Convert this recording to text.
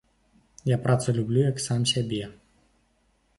Я працу люблю, як сам сябе.